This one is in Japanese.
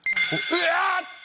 うわっと。